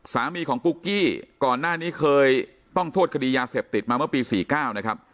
สามีของปุ๊กกี้ก่อนหน้านี้เคยต้องโทษคดียาเสพติดมาเมื่อปี๔๙นะครับ